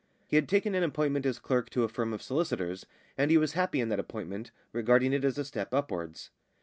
He had taken an appointment as clerk to a firm of solicitors, and he was happy in that appointment, regarding it as a step upwards.